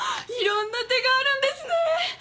いろんな手があるんですね。